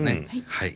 はい。